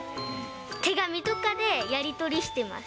手紙とかでやり取りしてます。